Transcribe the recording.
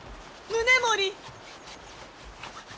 宗盛！